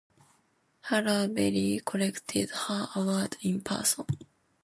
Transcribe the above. Halle Berry collected her award in person.